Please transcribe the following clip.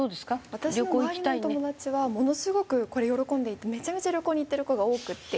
私の周りの友達はものすごくこれ喜んでいてめちゃめちゃ旅行に行ってる子が多くて。